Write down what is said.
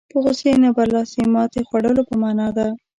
په غوسې نه برلاسي ماتې خوړلو په معنا ده.